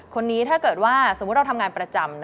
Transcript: คนนี้ถ้าเกิดว่าสมมุติเราทำงานประจำ